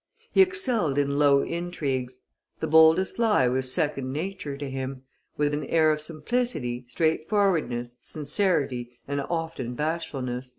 He excelled in low intrigues; the boldest lie was second nature to him, with an air of simplicity, straightforwardness, sincerity, and often bashfulness."